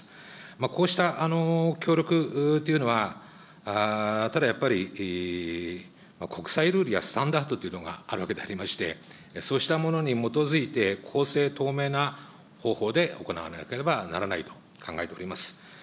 こうした協力というのは、ただやっぱり、国際ルールやスタンダードというのがあるわけでありまして、そうしたものに基づいて、公正、透明な方法で行わなければならないと考えております。